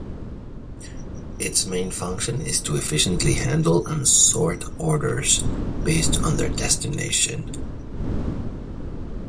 Its main function is to efficiently handle and sort orders based on their destination.